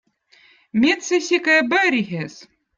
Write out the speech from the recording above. mettsesika eb õõ rihez